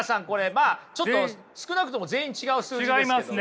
まあ少なくとも全員違う数字ですけどね。